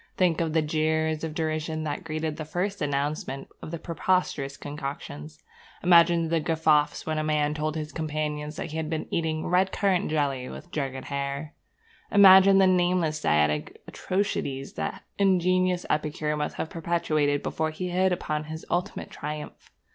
Think of the jeers of derision that greeted the first announcement of these preposterous concoctions! Imagine the guffaws when a man told his companions that he had been eating red currant jelly with jugged hare! Imagine the nameless dietetic atrocities that that ingenious epicure must have perpetrated before he hit upon his ultimate triumph!